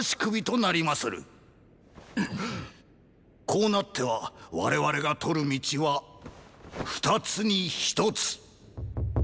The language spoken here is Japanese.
こうなっては我々が取る道は二つに一つ。